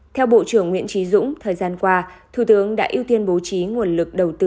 theo bộ trưởng nguyễn trí dũng thời gian qua thủ tướng đã ưu tiên bố trí nguồn lực đầu tư